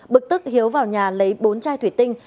bực tức hiếu vào nhà lấy bốn chai thủy tinh